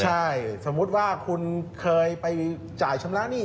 ใช่สมมุติว่าคุณเคยไปจ่ายชำระหนี้